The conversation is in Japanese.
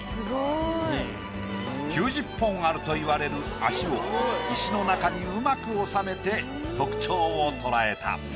９０本あるといわれる足を石の中にうまく収めて特徴を捉えた。